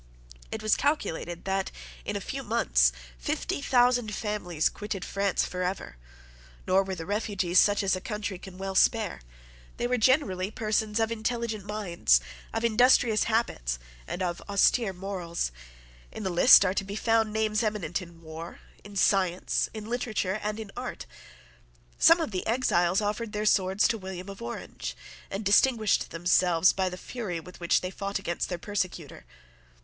It was calculated that, in a few months, fifty thousand families quitted France for ever. Nor were the refugees such as a country can well spare. They were generally persons of intelligent minds, of industrious habits, and of austere morals. In the list are to be found names eminent in war, in science, in literature, and in art. Some of the exiles offered their swords to William of Orange, and distinguished themselves by the fury with which they fought against their persecutor.